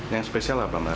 yang spesial apa